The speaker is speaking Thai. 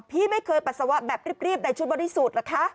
พี่ไม่เคยปัสสาวะแบบรีบในชุดบอดี้สูตรเหรอคะ